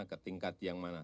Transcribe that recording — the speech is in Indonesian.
ke tingkat yang mana